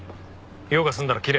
用が済んだら切れ。